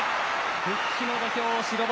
復帰の土俵を白星。